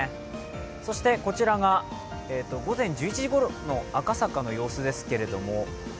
そしてこちらが午前１１時ごろの赤坂の様子ですけれども。